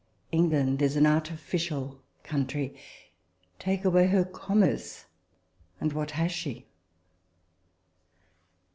England is an artificial country : take away her commerce, and what has she